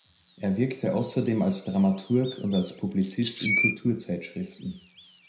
Er wirkte außerdem als Dramaturg und als Publizist in Kultur-Zeitschriften.